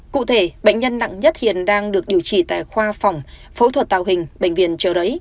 cụ thể bệnh nhân nặng nhất hiện đang được điều trị tại khoa phòng phẫu thuật tàu hình